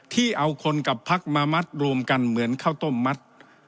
ที่เอาคนกับพักมามัดรวมกันเหมือนข้าวต้มมัด